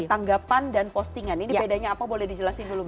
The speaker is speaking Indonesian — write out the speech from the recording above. dari tanggapan dan postingan ini bedanya apa boleh dijelasin dulu mbak